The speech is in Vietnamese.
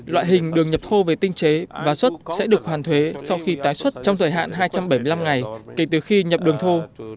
loại hình đường nhập thô về tinh chế và xuất sẽ được hoàn thuế sau khi tái xuất trong thời hạn hai trăm bảy mươi năm ngày kể từ khi nhập đường thô